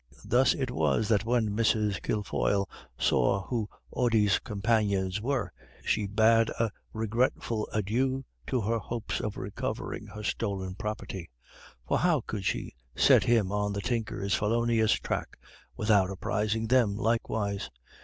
Thus it was that when Mrs. Kilfoyle saw who Ody's companions were, she bade a regretful adieu to her hopes of recovering her stolen property. For how could she set him on the Tinker's felonious track without apprising them likewise?